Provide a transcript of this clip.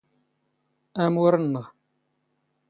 ⴰⵎⵓⵔ ⵏⵏⵖ